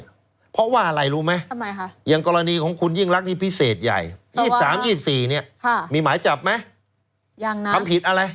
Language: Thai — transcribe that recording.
อย่างกรณีของคุณยิ่งรักที่พิเศษใหญ่๒๓๒๔มีหมายจับมั้ยคำผิดอะไร